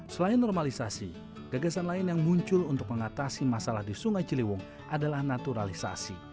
selain normalisasi gagasan lain yang muncul untuk mengatasi masalah di sungai ciliwung adalah naturalisasi